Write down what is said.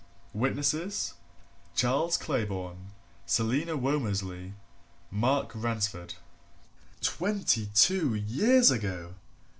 Witnesses, Charles Claybourne, Selina Womersley, Mark Ransford. Twenty two years ago!